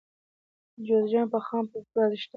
د جوزجان په خماب کې ګاز شته.